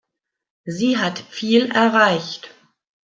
Sie hat viel erreicht.